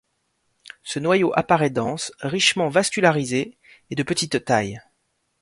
Ce noyau apparaît dense, richement vascularisé, et de petite taille.